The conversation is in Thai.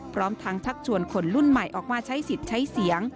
พร้อมทั้งชักชวนคนรุ่นใหม่ออกมาใช้สิทธิ์ใช้เสียง